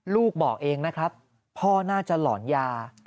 ลูกบอกเองนะครับพ่อน่าจะหลอนยา